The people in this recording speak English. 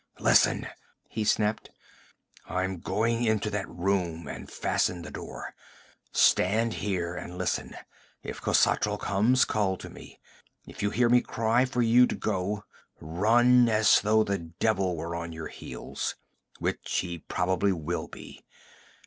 'Listen!' he snapped. 'I'm going into that room and fasten the door. Stand here and listen; if Khosatral comes, call to me. If you hear me cry for you to go, run as though the devil were on your heels which he probably will be.